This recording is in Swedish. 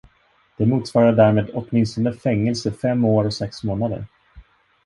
Det motsvarar därmed åtminstone fängelse fem år och sex månader.